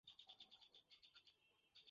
আমাদের ধর্মের চেয়ে এ ধর্ম তো অধিক শ্রেয়।